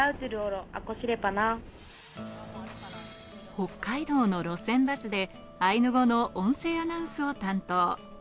北海道の路線バスでアイヌ語の音声アナウンスを担当。